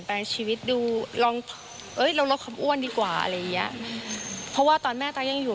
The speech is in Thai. ที่ปฏิวัติตัวเองดู